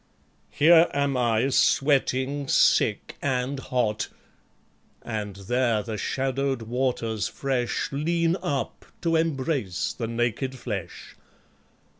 Here am I, sweating, sick, and hot, And there the shadowed waters fresh Lean up to embrace the naked flesh.